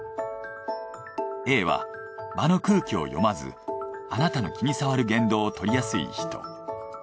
Ａは場の空気を読まずあなたの気に障る言動を取りやすい人。